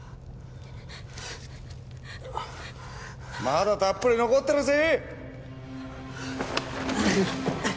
まだたっぷり残ってるぜ！